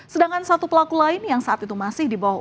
sedangkan satu pelaku lain yang saat itu masih dibawa